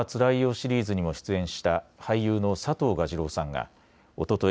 シリーズにも出演した俳優の佐藤蛾次郎さんがおととい